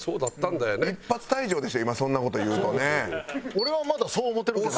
俺はまだそう思うてるけど。